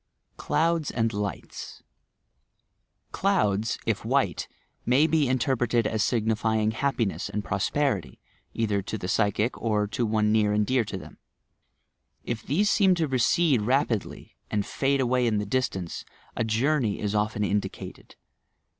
CLOUDS AND LIGHTS Clouds, if white, may be interpreted as signifying happiness and prosperity, either to the payehio, or to one near and dear to them. If these seem to recede rapidly, and fade away in the distance, a journey is often indicated.